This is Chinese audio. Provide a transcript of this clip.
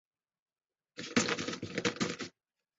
中文的电影一词起源于天津。